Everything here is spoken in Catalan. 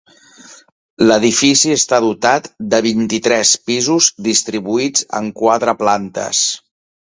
L'edifici està dotat de vint-i-tres pisos distribuïts en quatre plantes.